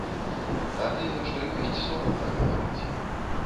А тыя, што ёсць, сорамна гаварыць.